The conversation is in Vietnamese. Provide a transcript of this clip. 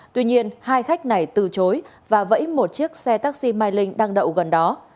tuy nhiên hai khách này từ chối và vẫy một chiếc xe taxi mai linh đang đậu gần đó